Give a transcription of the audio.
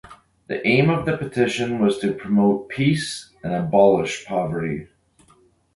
The aim of the petition was to promote peace and abolish poverty.